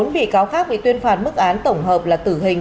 một mươi bốn bị cáo khác bị tuyên phạt mức án tổng hợp là tử hình